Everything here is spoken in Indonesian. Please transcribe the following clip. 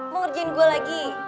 mengerjain gue lagi